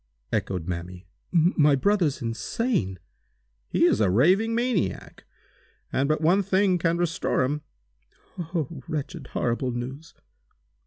echoed Mamie. "My brother insane?" "He is a raving maniac! And but one thing can restore him!" "Oh wretched, horrible news!